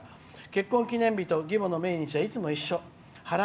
「結婚記念日と義母の命日はいつも一緒。